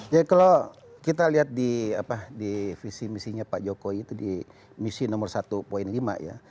jadi kalau kita lihat di visi misinya pak jokowi itu di misi nomor satu lima ya